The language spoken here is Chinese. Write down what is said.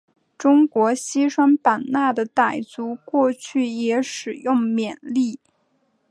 中国西双版纳的傣族过去也使用缅历。